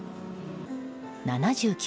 ７９